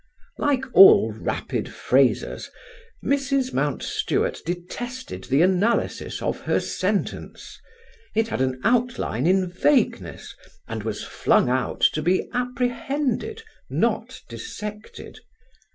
Like all rapid phrasers, Mrs. Mountstuart detested the analysis of her sentence. It had an outline in vagueness, and was flung out to be apprehended, not dissected.